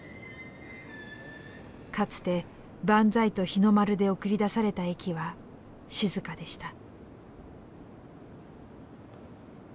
かつて万歳と日の丸で送り出された駅は静かでした。